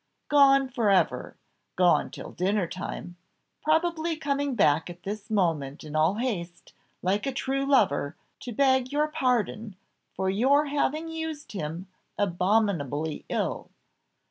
Gone for ever gone till dinner time! Probably coming back at this moment in all haste, like a true lover, to beg your pardon for your having used him abominably ill.